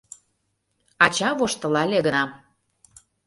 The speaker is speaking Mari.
Ача воштылале гына.